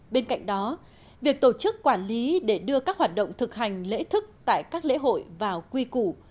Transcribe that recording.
bên cạnh đó việc tổ chức quản lý để đưa các hoạt động thực hành lễ thức tại các lễ hội vào quy củ